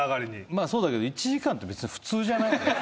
まあそうだけど１時間って別に普通じゃない？